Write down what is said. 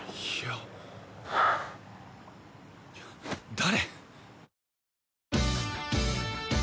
誰？